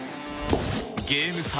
ゲーム差